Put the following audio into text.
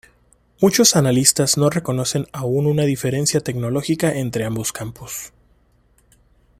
Muchos analistas no reconocen aún una diferencia tecnológica entre ambos campos.